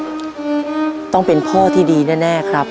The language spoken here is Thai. ก้งครูเป็นพ่อที่ดีแน่ครับ